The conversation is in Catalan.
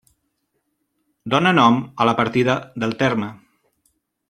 Dóna nom a la partida del terme.